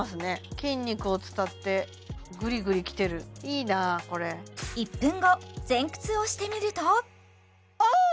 筋肉を伝ってグリグリきてるいいなこれ１分後前屈をしてみるとああ！